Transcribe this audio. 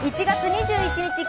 １月２１日